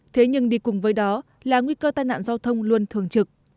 thế nhưng đi cùng với đó là nguy cơ tai nạn giao thông luôn thường trực